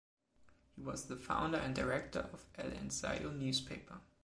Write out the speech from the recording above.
He was the founder and director of "El Ensayo" newspaper.